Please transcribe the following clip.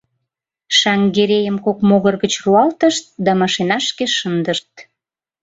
Шаҥгерейым кок могыр гыч руалтышт да машинашке шындышт.